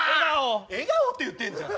笑顔って言ってるじゃん。